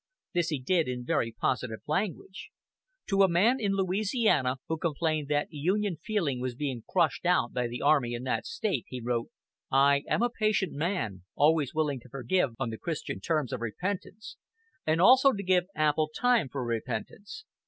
This he did in very positive language. To a man in Louisiana, who complained that Union feeling was being crushed out by the army in that State, he wrote: "I am a patient man, always willing to forgive on the Christian terms of repentance, and also to give ample time for repentance.